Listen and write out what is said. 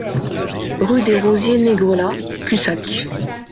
Rue des Rosiers Negrelat, Cussac